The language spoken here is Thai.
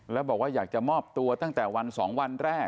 แล้วบอกว่าอยากจะมอบตัวตั้งแต่วัน๒วันแรก